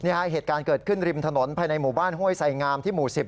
เหตุการณ์เกิดขึ้นริมถนนภายในหมู่บ้านห้วยไสงามที่หมู่๑๐